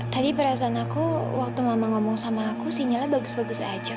tadi perasaan aku waktu mama ngomong sama aku sinyalnya bagus bagus aja